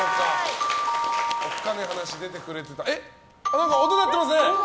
何か音が鳴ってますね。